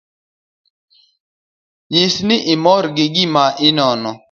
Nyis ni imor gi gima inono